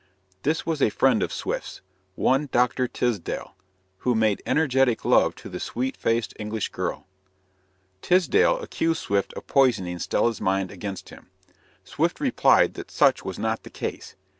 This was a friend of Swift's, one Dr. Tisdall, who made energetic love to the sweet faced English girl. Tisdall accused Swift of poisoning Stella's mind against him. Swift replied that such was not the case.